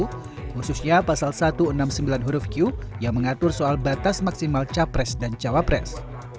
khususnya pasal satu ratus enam puluh sembilan huruf q yang mengatur soal batas maksimal capres dan cawapres